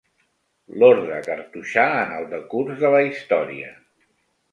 L'orde cartoixà en el decurs de la història.